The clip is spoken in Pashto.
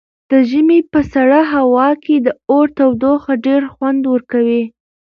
د ژمي په سړه هوا کې د اور تودوخه ډېره خوند ورکوي.